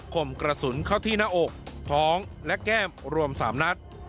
มกระสุนเข้าที่หน้าอกท้องและแก้มรวม๓นัด